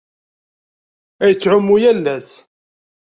Ad yettɛumu yal ass.